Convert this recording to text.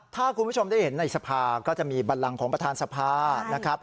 ถ้าคุณผู้ชมได้เห็นในสภาก็จะมีบันลังของประธานสภานะครับ